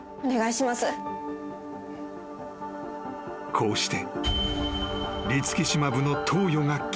［こうして］